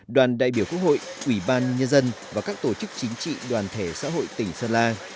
đoàn đại biểu quốc hội ủy ban nhân dân và các tổ chức chính trị đoàn thể xã hội tỉnh sơn la